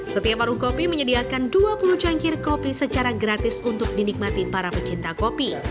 setiap warung kopi menyediakan dua puluh cangkir kopi secara gratis untuk dinikmati para pecinta kopi